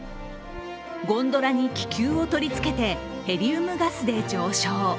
ゴンドラに気球を取り付けてヘリウムガスで上昇。